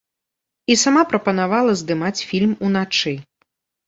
І сама прапанавала здымаць фільм уначы.